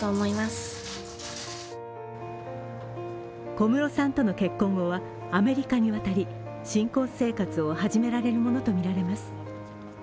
小室さんとの結婚後はアメリカに渡り、新婚生活を始められるものとみられます。